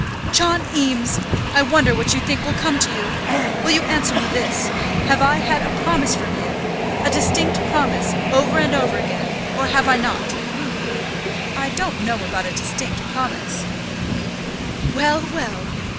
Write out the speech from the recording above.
"John Eames, I wonder what you think will come to you! Will you answer me this; have I had a promise from you, a distinct promise, over and over again, or have I not?" "I don't know about a distinct promise " "Well, well!